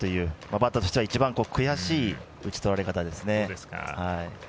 バッターとしては一番悔しい打ち取られ方ですね。